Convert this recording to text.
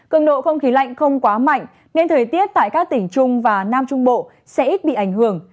cường độ không khí lạnh không quá mạnh nên thời tiết tại các tỉnh trung và nam trung bộ sẽ ít bị ảnh hưởng